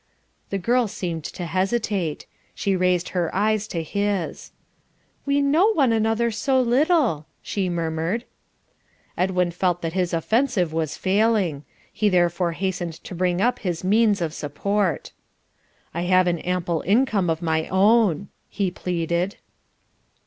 The girl seemed to hesitate. She raised her eyes to his. "We know one another so little," she murmured. Edwin felt that his offensive was failing. He therefore hastened to bring up his means of support. "I have an ample income of my own," he pleaded.